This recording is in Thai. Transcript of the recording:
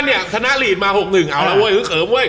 คิดว่าคุณเธอเป็นทะนาลีมมา๖๑เอาละเว้ยขึ้นเขิมเว้ย